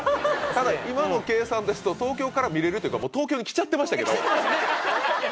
ただ今の計算ですと東京から見れるというかもう東京に来ちゃってましたけど。来ちゃってましたね。